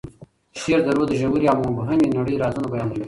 شعر د روح د ژورې او مبهمې نړۍ رازونه بیانوي.